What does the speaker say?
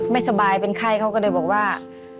ไม่สบายเป็นไข้เขาก็เลยบอกว่า